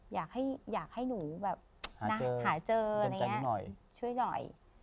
อยากให้หนูหาเจอช่วยหน่อย